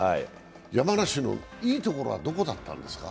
山梨のいいところはどこだったんですか？